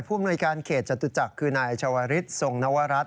อำนวยการเขตจตุจักรคือนายชาวริสทรงนวรัฐ